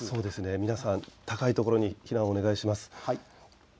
皆さん高い所に避難をお願いします。